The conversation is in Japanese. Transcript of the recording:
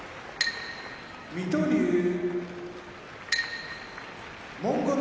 水戸龍モンゴル